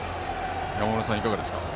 山村さんはいかがですか？